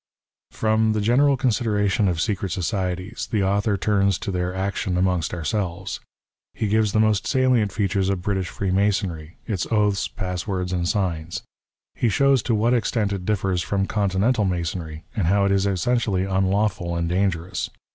Erom the general consideration of secret societies, the author turns to their action amongst ourselves. He gives the most salient features of British Freemasonry, its oaths, passwords, and signs. He shows to what extent it differs from Continental Masonry, and how it is essentially unlawful and dangerous.